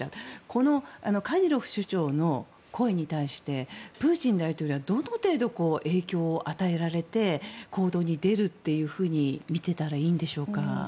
このカディロフ首長の声に対してプーチン大統領はどの程度、影響を与えられて行動に出ると見ていたらいいんでしょか。